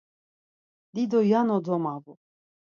Dido yano domavu.